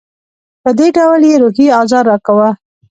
په دې ډول یې روحي آزار راکاوه.